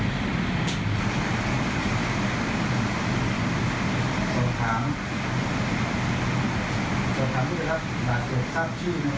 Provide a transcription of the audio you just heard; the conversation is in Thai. ต่อถามด้วยครับหลักเกิดทราบชื่อ